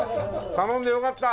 頼んでよかった！